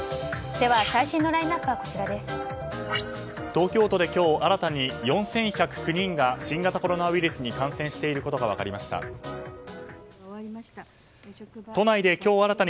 東京都で今日新たに４１０９人が新型コロナウイルスに感染していることが分かりました。